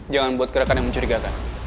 jangan buat gerakan yang mencurigakan